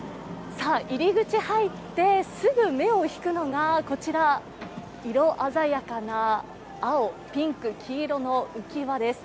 入り口入ってすぐ目を引くのがこちら、色鮮やかな青、ピンク、黄色の浮き輪です。